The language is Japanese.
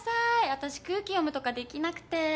私空気読むとかできなくて。